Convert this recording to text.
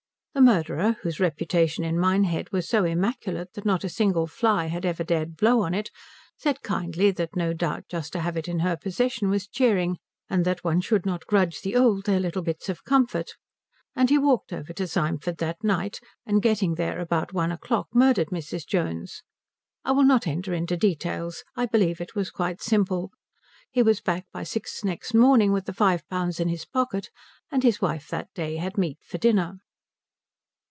The murderer, whose reputation in Minehead was so immaculate that not a single fly had ever dared blow on it, said kindly that no doubt just to have it in her possession was cheering and that one should not grudge the old their little bits of comfort; and he walked over to Symford that night, and getting there about one o'clock murdered Mrs. Jones. I will not enter into details. I believe it was quite simple. He was back by six next morning with the five pounds in his pocket, and his wife that day had meat for dinner.